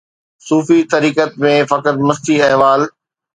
صوفي طریقت ۾ فقط مستي احوال